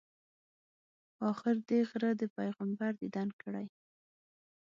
آخر دې غره د پیغمبر دیدن کړی.